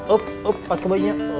up up pakai bajunya